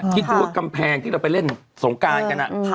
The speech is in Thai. คิดดูว่ากำแพงที่เราไปเล่นสงการกัน